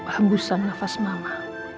hebusan nafas mama